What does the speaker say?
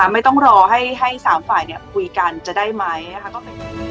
ไม่ต้องรอให้สามฝ่ายคุยกันจะได้ไหม